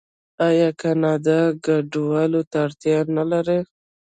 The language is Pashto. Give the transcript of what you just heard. آیا کاناډا کډوالو ته اړتیا نلري؟